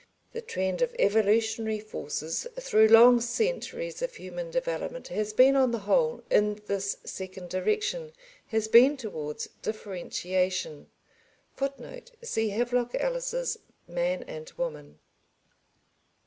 The trend of evolutionary forces through long centuries of human development has been on the whole in this second direction, has been towards differentiation. [Footnote: See Havelock Ellis's Man and Woman.